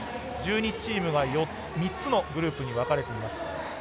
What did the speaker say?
１２チームが３つのグループに分かれています。